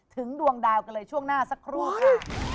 ดวงดาวกันเลยช่วงหน้าสักครู่ค่ะ